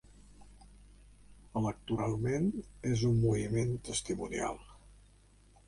Electoralment, és un moviment testimonial.